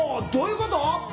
どういうこと？